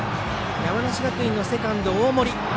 山梨学院、セカンドの大森。